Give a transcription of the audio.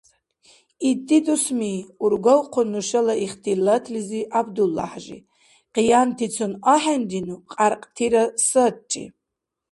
— Итди дусми, — ургавхъун нушала ихтилатлизи ГӀябдуллахӀяжи, — къиянтицун ахӀенрину, кьяркьтира сарри.